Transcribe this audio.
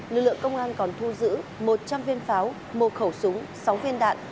lực lượng công an còn thu giữ một trăm linh viên pháo một khẩu súng sáu viên đạn